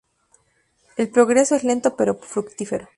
El progreso es lento pero fructífero.